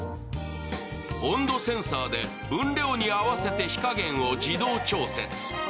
温度センサーで分量に合わせて火加減を自動調節。